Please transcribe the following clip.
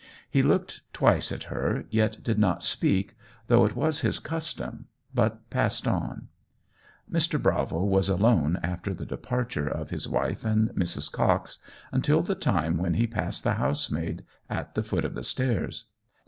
He looked twice at her, yet did not speak, though it was his custom, but passed on. Mr. Bravo was alone after the departure of his wife and Mrs. Cox, until the time when he passed the housemaid at the foot of the stairs.